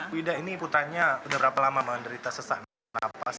bu ida ini ibu tanya sudah berapa lama menderita sesak napas